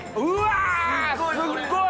すっごい！